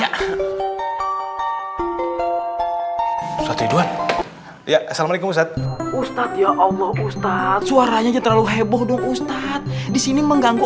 ya assalamualaikum ustadz ustadz ya allah ustadz suaranya terlalu heboh ustadz disini mengganggu